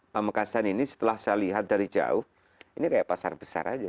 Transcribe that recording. pamekasan ini setelah saya lihat dari jauh ini kayak pasar besar aja